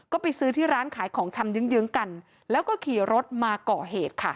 ก็ไปซื้อที่ร้านขายของชำยื้องกันแล้วก็ขี่รถมาก่อเหตุค่ะ